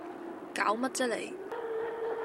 攪乜啫你